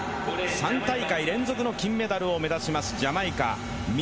３大会連続の金メダルを目指します。